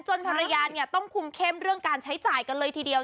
ภรรยาเนี่ยต้องคุมเข้มเรื่องการใช้จ่ายกันเลยทีเดียว